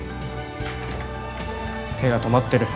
手が止まってる。